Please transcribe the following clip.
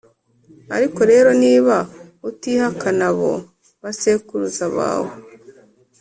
ariko rero niba utihakana abo basekuruza bawe,